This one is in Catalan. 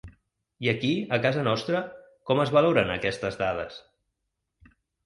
I aquí, a casa nostra, com es valoren aquestes dades?